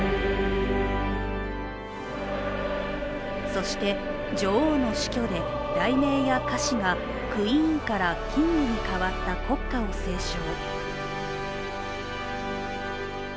そして女王の死去で、題名や歌詞が「Ｑｕｅｅｎ」から「Ｋｉｎｇ」に変わった国歌を斉唱。